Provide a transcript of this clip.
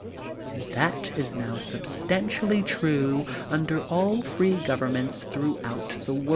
And that is now substantially true under all free governments throughout the world.